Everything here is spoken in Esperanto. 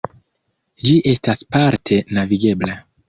Ĝi estas parte navigebla.